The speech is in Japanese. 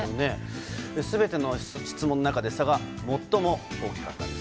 全ての質問の中で差が最も大きかったんです。